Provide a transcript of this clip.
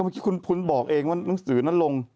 คุณบอกเองว่าหนังสือนั้นลง